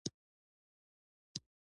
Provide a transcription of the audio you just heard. هلته په کاڼو کې اوبه شوي دي